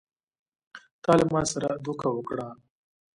تا له ما سره دوکه وکړه!